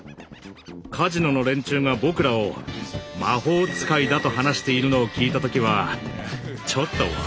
カジノの連中が僕らを魔法使いだと話しているのを聞いた時はちょっと笑ったね。